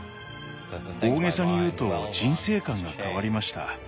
大げさに言うと人生観が変わりました。